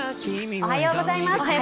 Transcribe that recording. おはようございます。